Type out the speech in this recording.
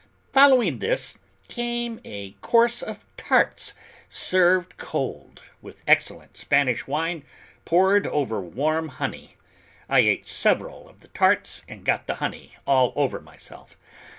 Following this, came a course of tarts, served cold, with excellent Spanish wine poured over warm honey; I ate several of the tarts and got the honey all over myself.